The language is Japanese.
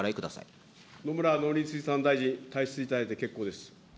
野村農林水産大臣、退出いただいて結構です。